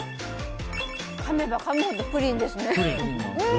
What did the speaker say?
かめばかむほど、プリンですね。